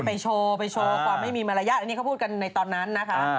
ไปโชว์ความไม่มีมารยะเขาพูดกันในตอนนั้น